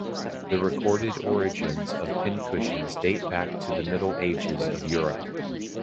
The recorded origins of pincushions date back to the Middle Ages of Europe.